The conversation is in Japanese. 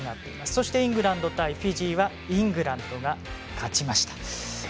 そして、イングランド対フィジーイングランドが勝ちました。